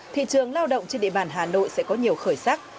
thị trường lao động trên địa bàn hà nội sẽ có nhiều khởi sắc